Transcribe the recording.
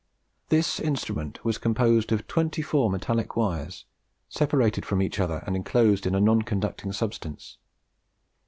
This instrument was composed of twenty four metallic wires, separate from each other and enclosed in a non conducting substance.